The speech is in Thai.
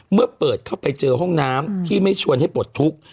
เมื่อเปิดเข้าไปเจอห้องน้ำที่ไม่ชวนให้ปลดทุกข์